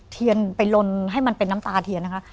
เทียนไปลนให้มันเป็นน้ำตาเทียนนะคะ